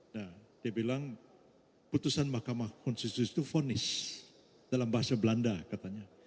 nah dia bilang putusan mahkamah konstitusi itu vonis dalam bahasa belanda katanya